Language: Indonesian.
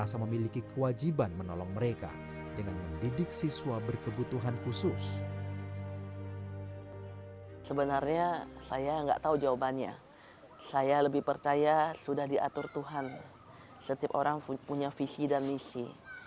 sebenarnya saya enggak tahu jawabannya saya lebih percaya sudah diatur tuhan setiap orang punya visi dan misi